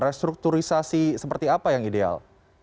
restrukturisasi seperti apa yang ideal